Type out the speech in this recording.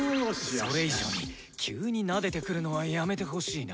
それ以上に急になでてくるのはやめてほしいな。